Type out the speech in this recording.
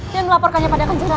yang melaporkannya pada akan cerah